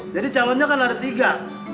jadi calonnya kan ada tiga